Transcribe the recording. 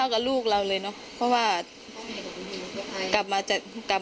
แม่น้องชมพู่แม่น้องชมพู่แม่น้องชมพู่